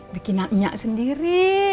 bikin anaknya sendiri